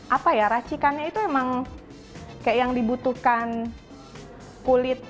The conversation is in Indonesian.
apa ya racikannya itu emang kayak yang dibutuhkan kulit